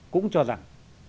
cũng cho rằng